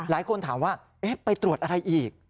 หลายคนถามว่าไปตรวจอะไรอีก